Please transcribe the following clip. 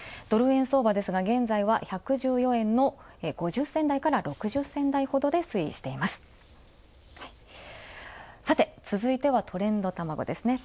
ドル円相場ですが現在は１１４円の５０銭台から６０銭台ほどで推移しています。